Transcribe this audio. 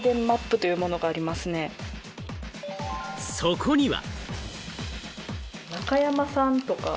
そこには。